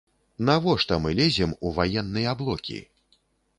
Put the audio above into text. Навошта мы лезем у ваенныя блокі?